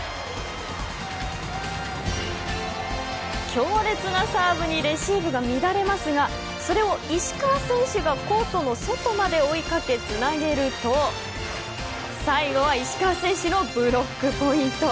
強烈なサーブにレシーブが乱れますがそれを石川選手がコートの外まで追いかけてつなげると最後は石川選手のブロックポイント。